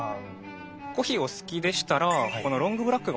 コーヒーお好きでしたらこのロングブラックがおすすめですよ。